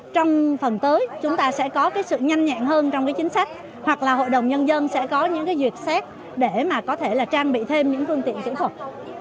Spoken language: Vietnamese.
trong phần tới chúng ta sẽ có cái sự nhanh nhạn hơn trong cái chính sách hoặc là hội đồng nhân dân sẽ có những cái duyệt xét để mà có thể là trang bị thêm những phương tiện kỹ thuật